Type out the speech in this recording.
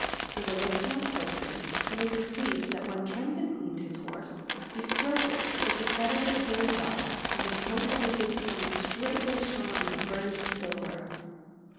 So they looked more closely, and they perceived that when Tremsin cleaned his horse he stroked it with the feather of the Bird Zhar, and the coat of the good steed straightway shone like burnished silver.